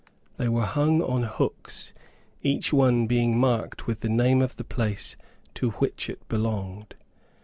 They were hung on hooks, each one being marked with the name of the place to which it belonged.